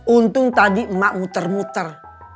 untung tadi emak muter muter